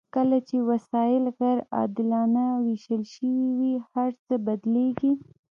کله چې وسایل غیر عادلانه ویشل شوي وي هرڅه بدلیږي.